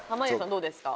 どうですか？